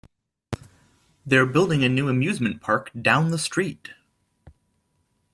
They're building a new amusement park down the street.